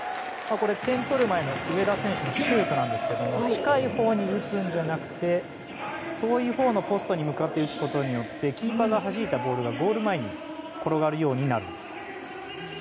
これ、点とる前の上田選手のシュートなんですが近いほうに打つんじゃなくて遠いほうのポストに向かって打つことによってキーパーがはじいたボールがゴール前に転がるようになるんです。